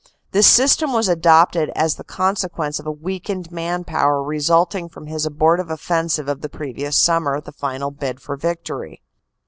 This system was adopted as the consequence of weakened man power resulting from his abortive offensive of the previous summer the final bid for victory.